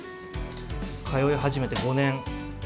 通い始めて５年。